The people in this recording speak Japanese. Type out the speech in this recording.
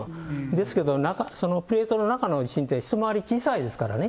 ですけど、プレートの中の地震って、一回り小さいですからね。